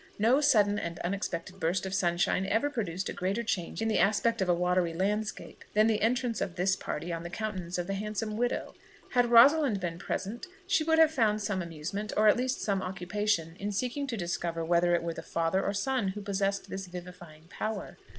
No sudden and unexpected burst of sunshine ever produced a greater change in the aspect of a watery landscape, than the entrance of this party on the countenance of the handsome widow. Had Rosalind been present, she would have found some amusement, or at least some occupation, in seeking to discover whether it were the father or son who possessed this vivifying power.